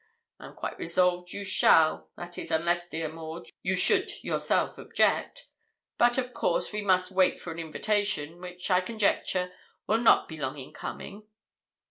I am quite resolved you shall that is, unless, dear Maud, you should yourself object; but, of course, we must wait for an invitation, which, I conjecture, will not be long in coming.